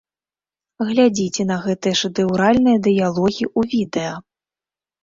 Глядзіце на гэтыя шэдэўральныя дыялогі ў відэа.